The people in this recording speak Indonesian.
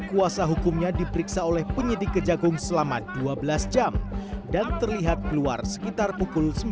kuasa hukumnya diperiksa oleh penyidik kejagung selama dua belas jam dan terlihat keluar sekitar pukul